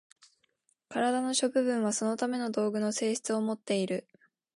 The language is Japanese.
身体の諸部分はそのための道具の性質をもっている。